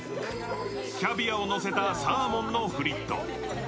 キャビアをのせたサーモンのフリット。